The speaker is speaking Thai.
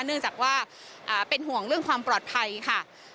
เนื่องจากว่าเป็นห่วงเรื่องความปลอดภัยค่ะ